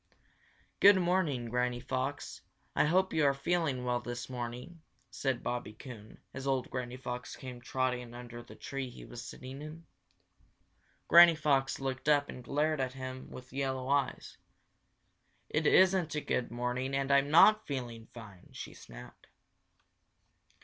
"Good morning, Granny Fox. I hope you are feeling well this morning," said Bobby Coon, as old Granny Fox came trotting under the tree he was sitting in. Granny Fox looked up and glared at him with yellow eyes. "It isn't a good morning and I'm not feeling fine!" she snapped.